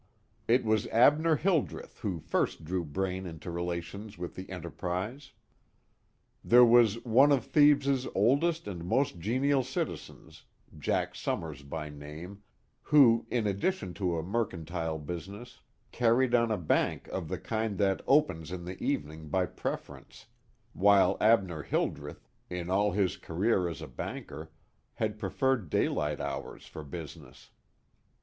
It was Abner Hildreth who first drew Braine into relations with the Enterprise. There was "one of Thebes's oldest and most genial citizens" Jack Summers by name who, in addition to a mercantile business, carried on a bank of the kind that opens in the evening by preference, while Abner Hildreth, in all his career as a banker, had preferred daylight hours for business.